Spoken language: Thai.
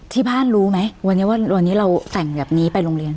ที่บ้านรู้ไหมวันนี้ว่าวันนี้เราแต่งแบบนี้ไปโรงเรียน